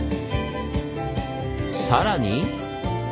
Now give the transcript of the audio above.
さらに！